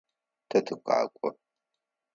Тэ тыкъэкӏо.